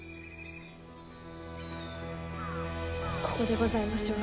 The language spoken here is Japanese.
ここでございましょう。